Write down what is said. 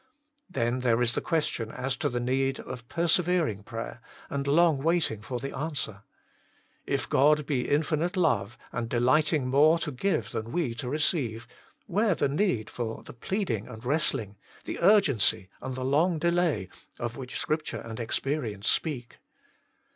Then there is the question as to the need of persevering prayer, and long waiting for the answer. If God be Infinite Love, and delighting more to give than we to receive, where the need for the pleading and wrestling, the urgency, and the long delay of which 148 THE MINISTRY OF INTERCESSION Scripture and experience speak